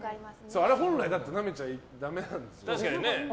あれは本来なめちゃだめなんですよね。